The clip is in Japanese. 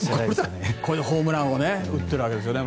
これでホームランを打っているわけですよね。